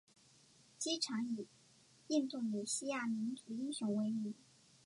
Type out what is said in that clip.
机场以印度尼西亚民族英雄为名。